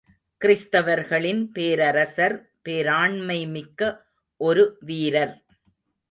கிறிஸ்தவர்களின் பேரரசர் பேராண்மைமிக்க ஒரு வீரர்.